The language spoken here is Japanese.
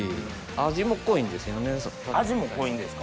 味も濃いんですか。